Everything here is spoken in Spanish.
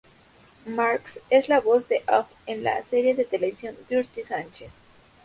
Marks es la voz en off de la serie de televisión Dirty Sanchez.